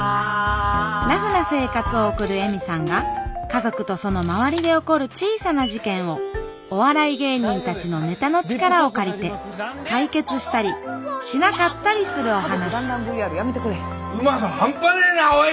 ラフな生活を送る恵美さんが家族とその周りで起こる小さな事件をお笑い芸人たちのネタの力を借りて解決したりしなかったりするお話うまさハンパねえなおい！